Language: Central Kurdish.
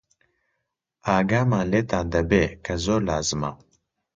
ئاگامان لێتان دەبێ، کە زۆر لازمە